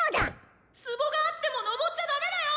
壺があってものぼっちゃダメだよ！